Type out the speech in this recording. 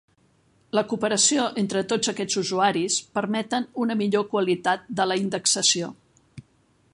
La cooperació entre tots aquests usuaris permeten una millor qualitat de la indexació.